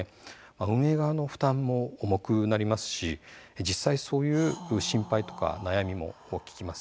運営側の負担も重くなりますし実際、そういう心配とか悩みも聞きます。